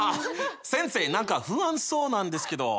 先生何か不安そうなんですけど。